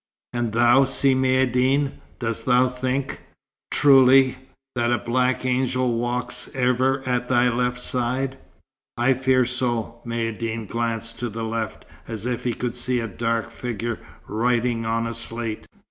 "And thou, Si Maïeddine, dost thou think, truly, that a black angel walks ever at thy left side?" "I fear so." Maïeddine glanced to the left, as if he could see a dark figure writing on a slate.